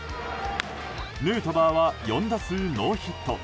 ヌートバーは４打数ノーヒット。